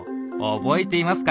覚えてますか？